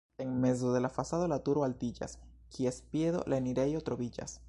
En mezo de la fasado la turo altiĝas, kies piedo la enirejo troviĝas.